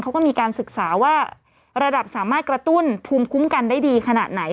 เขาก็มีการศึกษาว่าระดับสามารถกระตุ้นภูมิคุ้มกันได้ดีขนาดไหน